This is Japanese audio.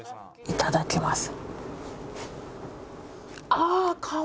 いただきます。